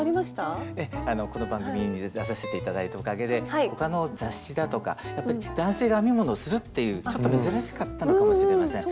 ええこの番組に出させて頂いたおかげで他の雑誌だとかやっぱり男性が編み物をするっていうちょっと珍しかったのかもしれません。